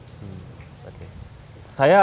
saya mau tanya hal yang